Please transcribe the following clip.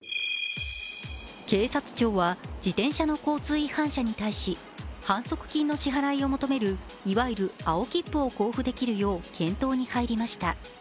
警察庁は自転車の交通違反者に対し、反則金の支払いを求めるいわゆる青切符を交付できるよう検討に入りました。